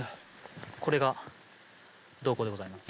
これが洞口でございます。